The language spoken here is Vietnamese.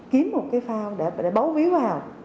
kiếm một cái phao để báo víu vào